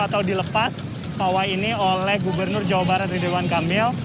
atau dilepas pawai ini oleh gubernur jawa barat ridwan kamil